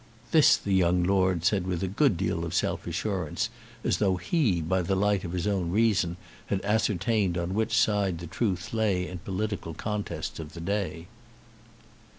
This the young Lord said with a good deal of self assurance, as though he, by the light of his own reason, had ascertained on which side the truth lay in political contests of the day.